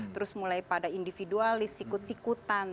terus mulai pada individualis sikut sikutan